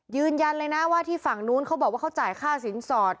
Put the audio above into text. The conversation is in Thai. ยืนยันเลยนะว่าที่ฝั่งนู้นเขาบอกว่าเขาจ่ายค่าสินสอด